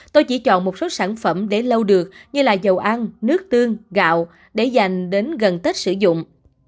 tôi chỉ chọn một số sản phẩm để lâu được như là dầu ăn nước tương gạo để dành đến gần tết sử dụng